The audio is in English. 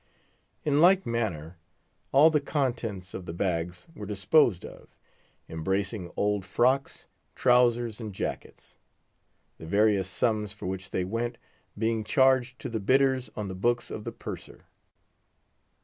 In like manner all the contents of the bags were disposed of, embracing old frocks, trowsers, and jackets, the various sums for which they went being charged to the bidders on the books of the Purser.